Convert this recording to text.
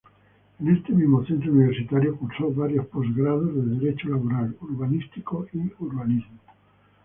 En este mismo centro universitario, cursó varios posgrados de Derecho Laboral, Urbanístico y Urbanismo.